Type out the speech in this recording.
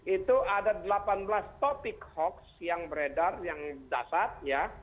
itu ada delapan belas topik hoax yang beredar yang dasar ya